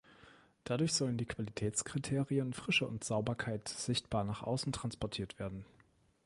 Dadurch sollen die Qualitätskriterien "Frische" und "Sauberkeit" sichtbar nach außen transportiert werden.